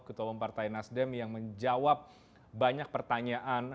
ketua umum partai nasdem yang menjawab banyak pertanyaan